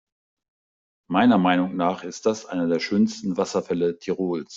Meiner Meinung nach ist das einer der schönsten Wasserfälle Tirols.